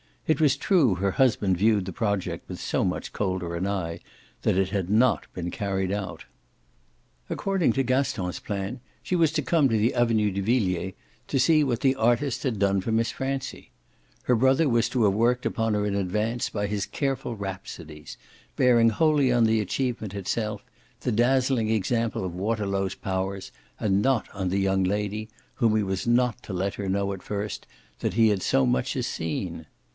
It was true her husband viewed the project with so much colder an eye that it had not been carried out. According to Gaston's plan she was to come to the Avenue de Villiers to see what the artist had done for Miss Francie; her brother was to have worked upon her in advance by his careful rhapsodies, bearing wholly on the achievement itself, the dazzling example of Waterlow's powers, and not on the young lady, whom he was not to let her know at first that he had so much as seen.